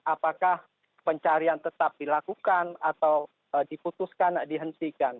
apakah pencarian tetap dilakukan atau diputuskan dihentikan